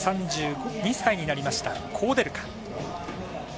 ３２歳になりましたコウデルカ。